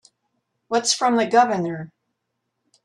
What's from the Governor?